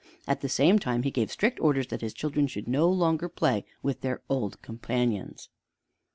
At the same time he gave strict orders that his children should no longer play with their old companions.